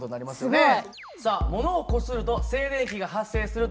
ねえ。